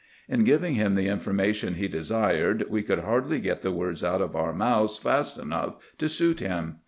In giving him the information he desired, we could hardly get the words out of our mouths fast enough to suit him.